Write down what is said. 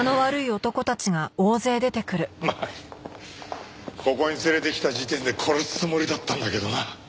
まあここに連れてきた時点で殺すつもりだったんだけどな。